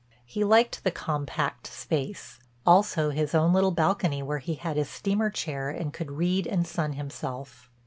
He liked the compact space, also his own little balcony where he had his steamer chair and could read and sun himself.